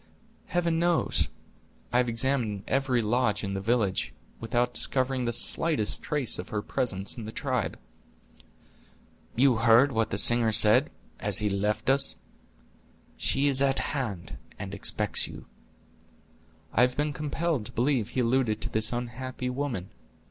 "Heaven knows. I have examined every lodge in the village, without discovering the slightest trace of her presence in the tribe." "You heard what the singer said, as he left us: 'She is at hand, and expects you'?" "I have been compelled to believe he alluded to this unhappy woman."